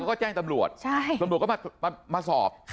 ก็แจ้งตำรวจตำรวจก็มาสอบ